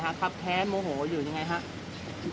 ชาวบ้านญาติโปรดแค้นไปดูภาพบรรยากาศขณะ